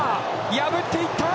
破っていった！